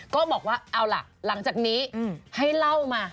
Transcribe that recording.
ก็บอกว่าเอาล่ะหลังจากนี้ให้เล่ามา